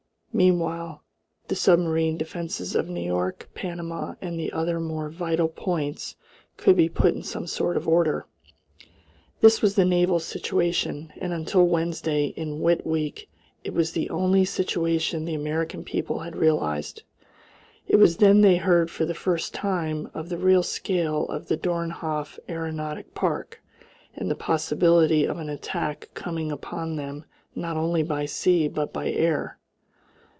Meanwhile the submarine defences of New York, Panama, and the other more vital points could be put in some sort of order. This was the naval situation, and until Wednesday in Whit week it was the only situation the American people had realised. It was then they heard for the first time of the real scale of the Dornhof aeronautic park and the possibility of an attack coming upon them not only by sea, but by the air.